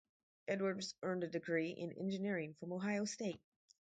Edwards earned a degree in Engineering from Ohio State.